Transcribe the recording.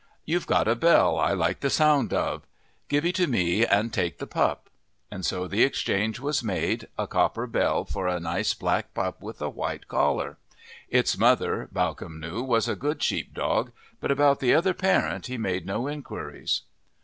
"You've got a bell I like the sound of; give he to me and take the pup." And so the exchange was made, a copper bell for a nice black pup with a white collar; its mother, Bawcombe knew, was a good sheep dog, but about the other parent he made no inquiries.